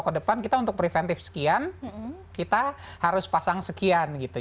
kalau ke depan kita untuk preventif sekian kita harus pasang sekian gitu